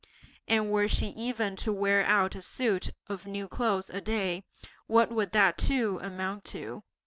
and were she even to wear out a suit of new clothes a day, what would that too amount to?